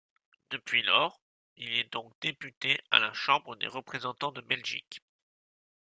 Depuis lors, il est donc Député à la Chambre des Représentants de Belgique.